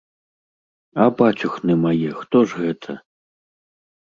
А бацюхны мае, хто ж гэта?